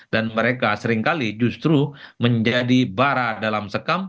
dan mereka seringkali justru menjadi bara dalam sekam